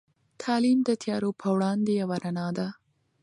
تعلیم د تيارو په وړاندې یوه رڼا ده.